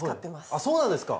あっそうなんですか。